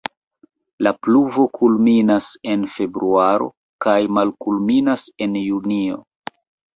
La pluvo kulminas en februaro kaj malkulminas en junio.